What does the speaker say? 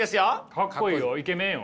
かっこいいよイケメンよ。